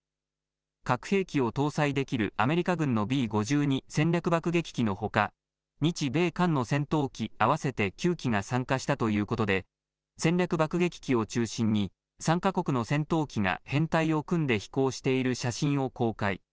核兵器を搭載できるアメリカ軍のＢ５２戦略爆撃機のほか、日米韓の戦闘機合わせて９機が参加したということで、戦略爆撃機を中心に、３か国の戦闘機が編隊を組んで飛行している写真を公開。